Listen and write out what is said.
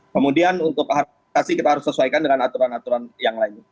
kemudian untuk harmonisasi kita harus sesuaikan dengan aturan aturan yang lain